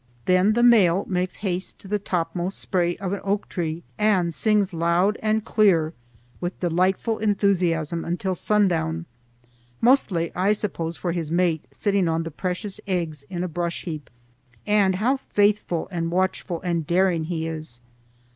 Then the male makes haste to the topmost spray of an oak tree and sings loud and clear with delightful enthusiasm until sundown, mostly I suppose for his mate sitting on the precious eggs in a brush heap. And how faithful and watchful and daring he is!